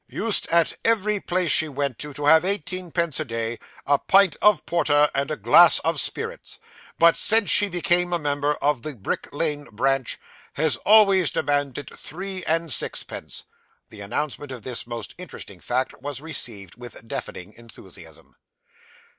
Used, at every place she went to, to have eighteen pence a day, a pint of porter, and a glass of spirits; but since she became a member of the Brick Lane Branch, has always demanded three and sixpence (the announcement of this most interesting fact was received with deafening enthusiasm).